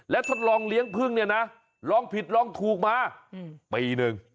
และทดลองเลี้ยงพึ่งเนี่ยนะลองผิดลองถูกมาปีหนึ่ง